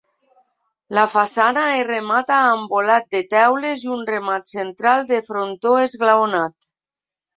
La façana es remata amb volat de teules i un remat central de frontó esglaonat.